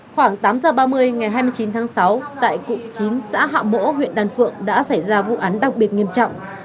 khoảng tám giờ ba mươi ngày hai mươi chín tháng sáu tại cụm chín xã hạ mỗ huyện đan phượng đã xảy ra vụ án đặc biệt nghiêm trọng